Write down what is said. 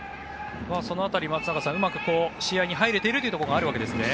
その辺り松坂さんうまく試合に入れてるところがあるわけですね。